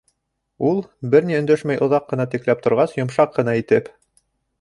Ул, бер ни өндәшмәй оҙаҡ ҡына текләп торғас, йомшаҡ ҡына итеп: